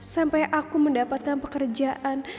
sampai aku mendapatkan pekerjaan